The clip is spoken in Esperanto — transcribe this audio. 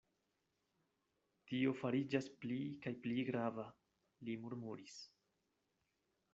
Tio fariĝas pli kaj pli grava, li murmuris.